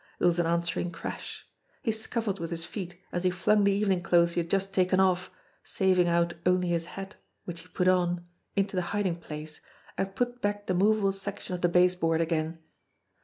There was an an swering crash. He scuffled with his feet, as he flung the evening clothes he had just taken off saving out only his hat, which he put on into the hiding place, and put back the movable section of the baseboard again.